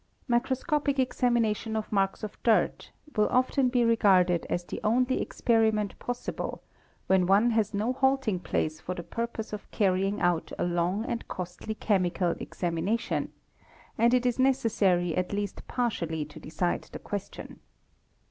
| Microscopic examination of 'marks of dirt will often be regarded as _ the only experiment possible when one has no halting place for the purpose of carrying out a long and costly chemical examination, and it is i necessary at least partially to decide the question.